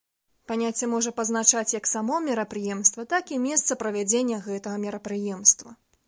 Паняцце можа пазначаць як само мерапрыемства, так і месца правядзення гэтага мерапрыемства.